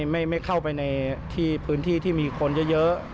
ไม่เข้าไปในที่พื้นที่ที่มีคนเยอะ